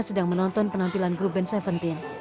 sedang menonton penampilan grup band seventeen